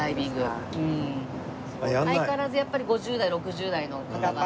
相変わらずやっぱり５０代６０代の方が。